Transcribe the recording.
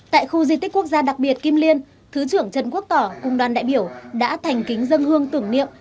tại khu di tích quốc gia đặc biệt kim liên thứ trưởng trần quốc tỏ cùng đoàn đại biểu đã thành kính dân hương tưởng niệm